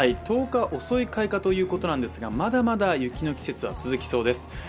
１０日遅い開花ということなんですが、まだまだ雪の季節は続きそうです。